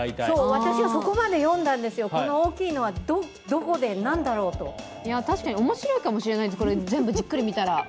私はそこまで読んだんですよ、この大きいのは、どこで何だろうと確かに面白いかもしれない、これずっと見たら。